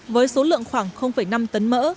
với số lượng khoảng năm tấn mỡ